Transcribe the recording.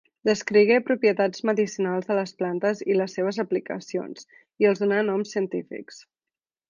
Descrigué propietats medicinals de les plantes i les seves aplicacions, i els donà noms científics.